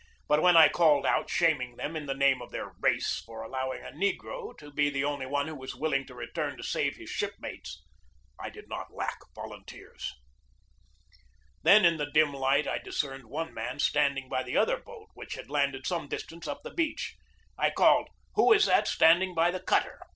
But when I called out, shaming them, in the name of their race, for allowing a negro to be the only one who was willing to return to save his shipmates, I did not lack volunteers. Then in the dim light I discerned one man stand 98 GEORGE DEWEY ing by the other boat, which had landed some dis tance up the beach. I called: "Who is that standing by the cutter?"